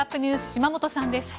島本さんです。